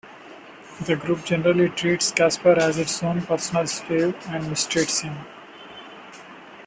The group generally treats Casper as its own personal slave and mistreats him.